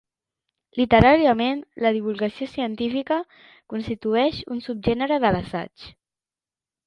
Literàriament, la divulgació científica constituïx un subgènere de l'assaig.